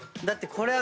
これは？